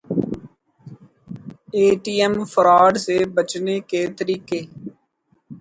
اے T M fraud سے بچنے کے طریقے